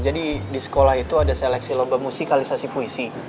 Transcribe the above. jadi di sekolah itu ada seleksi lomba musikalisasi puisi